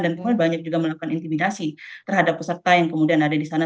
dan kemudian banyak juga melakukan intimidasi terhadap peserta yang kemudian ada di sana